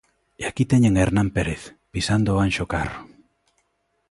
E aquí teñen a Hernán Pérez pisando o Anxo Carro.